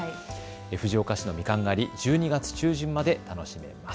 藤岡市のみかん狩り、１２月中旬まで楽しめます。